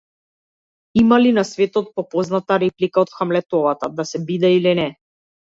Има ли на светот попозната реплика од Хамлетовата: да се биде или не?